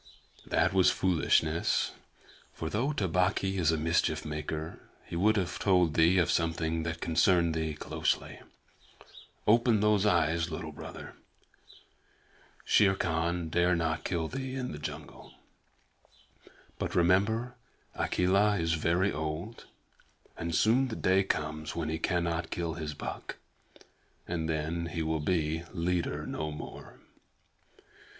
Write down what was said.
"That was foolishness, for though Tabaqui is a mischief maker, he would have told thee of something that concerned thee closely. Open those eyes, Little Brother. Shere Khan dare not kill thee in the jungle. But remember, Akela is very old, and soon the day comes when he cannot kill his buck, and then he will be leader no more.